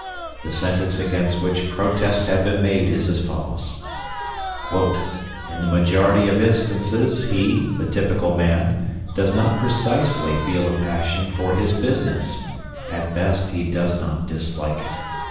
The sentence against which protests have been made is as follows: "In the majority of instances he [the typical man] does not precisely feel a passion for his business; at best he does not dislike it.